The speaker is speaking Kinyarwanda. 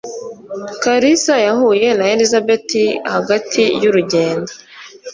Kalisa yahuye na Elisabeth hagati yurugendo